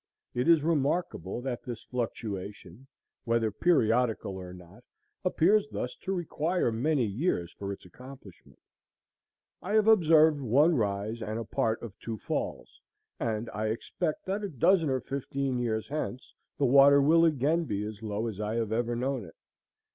It is remarkable that this fluctuation, whether periodical or not, appears thus to require many years for its accomplishment. I have observed one rise and a part of two falls, and I expect that a dozen or fifteen years hence the water will again be as low as I have ever known it.